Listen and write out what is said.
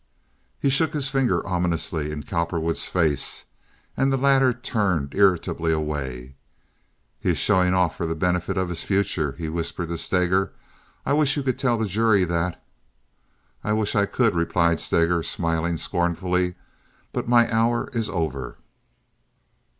He shook his finger ominously in Cowperwood's face, and the latter turned irritably away. "He is showing off for the benefit of his future," he whispered to Steger. "I wish you could tell the jury that." "I wish I could," replied Steger, smiling scornfully, "but my hour is over."